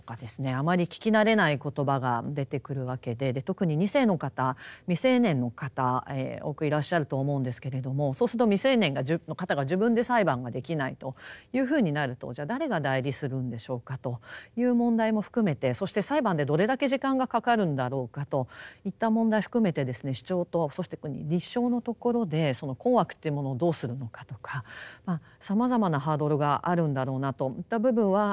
あまり聞き慣れない言葉が出てくるわけで特に２世の方未成年の方多くいらっしゃると思うんですけれどもそうすると未成年の方が自分で裁判ができないというふうになるとじゃあ誰が代理するんでしょうかという問題も含めてそして裁判でどれだけ時間がかかるんだろうかといった問題含めて主張とそして立証のところでその困惑というものをどうするのかとかさまざまなハードルがあるんだろうなといった部分は懸念しております。